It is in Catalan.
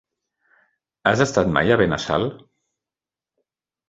Has estat mai a Benassal?